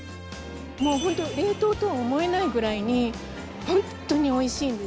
ホント冷凍とは思えないぐらいにホントにおいしいんですこれ。